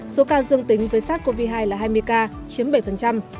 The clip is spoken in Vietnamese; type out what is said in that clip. số ca dương tính với sars cov hai là hai mươi ca chiếm bảy